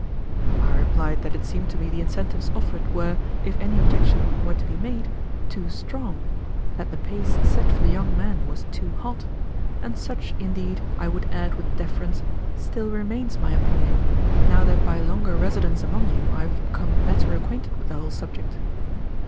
I replied that it seemed to me the incentives offered were, if any objection were to be made, too strong; that the pace set for the young men was too hot; and such, indeed, I would add with deference, still remains my opinion, now that by longer residence among you I become better acquainted with the whole subject.